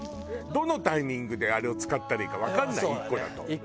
どのタイミングであれを使ったらいいかわかんない１個だと。